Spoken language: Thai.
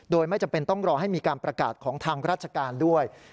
โดยไม่จำเป็นต้องรอให้มีการประกาศของทางราชการด้วย